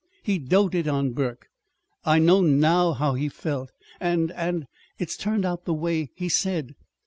He doted on Burke. I know now how he felt. And and it's turned out the way he said.